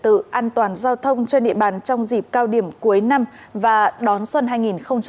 tổ công tác một trăm bốn mươi một sẽ tự an toàn giao thông trên địa bàn trong dịp cao điểm cuối năm và đón xuân hai nghìn hai mươi hai